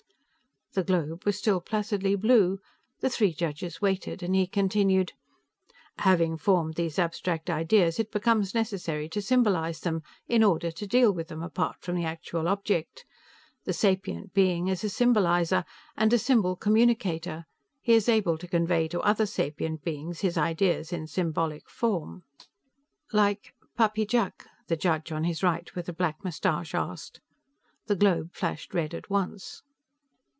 The globe was still placidly blue. The three judges waited, and he continued: "Having formed these abstract ideas, it becomes necessary to symbolize them, in order to deal with them apart from the actual object. The sapient being is a symbolizer, and a symbol communicator; he is able to convey to other sapient beings his ideas in symbolic form." "Like 'Pa pee Jaak'?" the judge on his right, with the black mustache, asked. The globe flashed red at once.